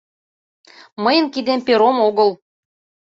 Мыйын кидем пером огыл!